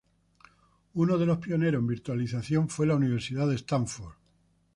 Uno de los pioneros en virtualización fue la Universidad de Stanford.